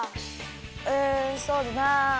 うんそうだな。